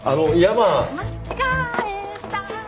間違えた。